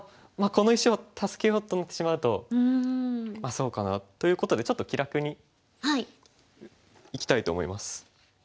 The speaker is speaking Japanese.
この石を助けようと思ってしまうとまあそうかな。ということでちょっと気楽にいきたいと思います。